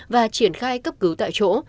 và triển khai cấp cứu tại chỗ